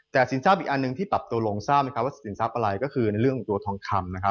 แต่สินทรัพย์อีกอันหนึ่งที่ปรับตัวลงทราบไหมครับว่าสินทรัพย์อะไรก็คือในเรื่องของตัวทองคำนะครับ